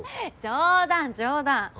冗談冗談。